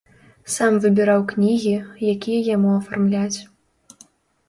Сам выбіраў кнігі, якія яму афармляць.